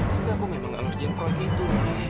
tapi aku memang gak ngerjain proyek itu